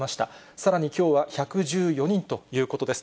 さらにきょうは１１４人ということです。